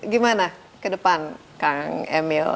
gimana kedepan kang emil